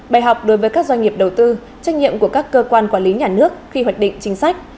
bài học đối với các doanh nghiệp đầu tư trách nhiệm của các cơ quan quản lý nhà nước khi hoạch định chính sách